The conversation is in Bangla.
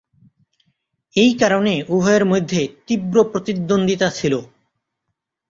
এই কারণে উভয়ের মধ্যে তীব্র প্রতিদ্বন্দ্বিতা ছিল।